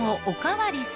おかわり。